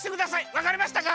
わかりましたか？